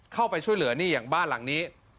เข้าไปช่วยเหลือนี่อย่างบ้านหลังนี้